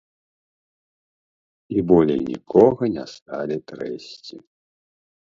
І болей нікога не сталі трэсці.